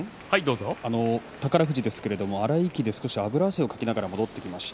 宝富士ですけど荒い息であぶら汗をかきながら戻ってきました。